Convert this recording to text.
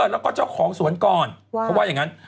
แล้วก็เจ้าของสวนก่อนเขาว่าอย่างนั้น